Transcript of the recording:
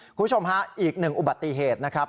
คุณผู้ชมฮะอีกหนึ่งอุบัติเหตุนะครับ